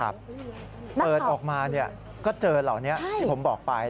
เปิดออกมาก็เจอเหล่านี้ที่ผมบอกไป